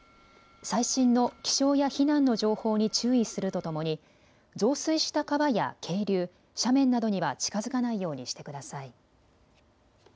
最新の気象や避難の情報に注意するとともに増水した川や渓流、斜面などには近づかないようにしてください。